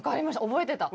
覚えてた？